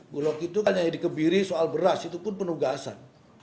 bulog itu kan hanya dikebiri soal beras itu pun penugasan